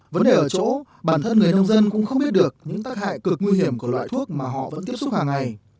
vấn đề ở chỗ bản thân người nông dân cũng không biết được những tác hại cực nguy hiểm của loại thuốc mà họ vẫn tiếp xúc hàng ngày